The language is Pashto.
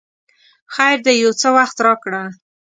خیر دی یو څه وخت راکړه!